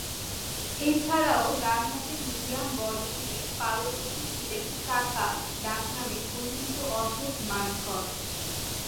এছাড়াও, ডানহাতে মিডিয়াম বোলিংয়ে পারদর্শী ছিলেন ‘কাকা’ ডাকনামে পরিচিত অশোক মানকড়।